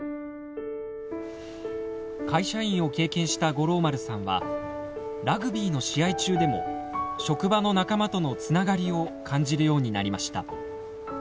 会社員を経験した五郎丸さんはラグビーの試合中でも職場の仲間とのつながりを感じるようになりました。